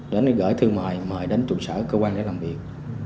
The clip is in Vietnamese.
đến gửi thư mời mời đến trụ sở cơ quan để làm việc